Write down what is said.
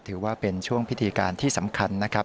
ถือว่าเป็นช่วงพิธีการที่สำคัญนะครับ